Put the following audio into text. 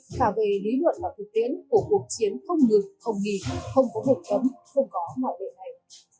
cả về lý luận và thực tiễn của cuộc chiến không ngừng không nghỉ không có hợp chấm không có mạo lượng này